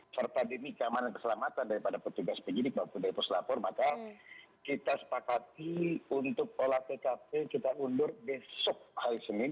serta demi keamanan keselamatan daripada petugas penyidik maupun dari puslapor maka kita sepakati untuk olah tkp kita undur besok hari senin